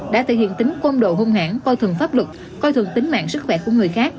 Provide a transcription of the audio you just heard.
đã thể hiện tính quân độ hung hãn coi thường pháp luật coi thường tính mạng sức khỏe của người khác